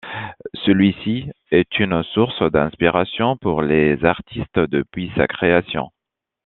Celui-ci est une source d'inspiration pour les artistes depuis sa création.